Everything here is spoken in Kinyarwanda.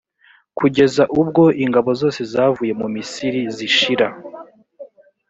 kugeza ubwo ingabo zose zavuye mu misiri zishira.